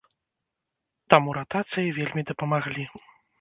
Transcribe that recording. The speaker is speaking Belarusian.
Таму ратацыі вельмі дапамаглі.